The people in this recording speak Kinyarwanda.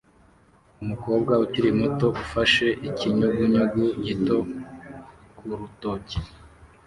Umukobwa ukiri muto ufashe ikinyugunyugu gito ku rutoki